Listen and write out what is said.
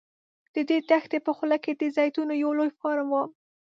د دې دښتې په خوله کې د زیتونو یو لوی فارم و.